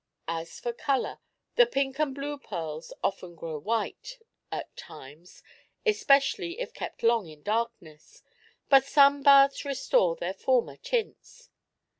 As for color: the pink and blue pearls often grow white, at times, especially if kept long in darkness, but sun baths restore their former tints.